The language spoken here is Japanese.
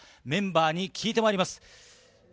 メンバーに聞いてまいります。